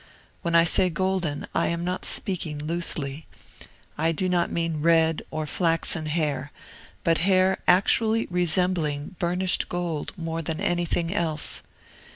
When I say golden, I am not speaking loosely. I do not mean red or flaxen hair, but hair actually resembling burnished gold more than anything else.